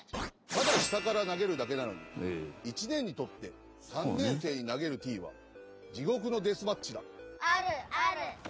ただ下から投げるだけなのに１年にとって３年生に投げるティーはあるある。